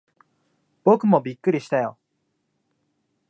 僕もびっくりしたよ。